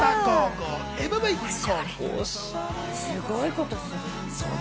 すごいことする。